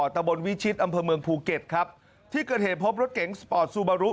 ตะบนวิชิตอำเภอเมืองภูเก็ตครับที่เกิดเหตุพบรถเก๋งสปอร์ตซูบารุ